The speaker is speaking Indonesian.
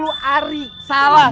tiga puluh hari salah